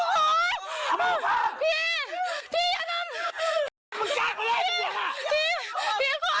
แม่งแม่งเมืองเจ้าก็ได้